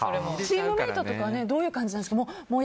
チームメートとかどういう感じなんですか？